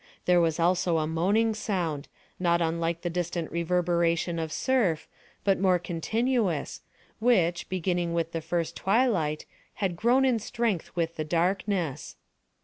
There was also a moaning sound, not unlike the distant reverberation of surf, but more continuous, which, beginning with the first twilight, had grown in strength with the darkness.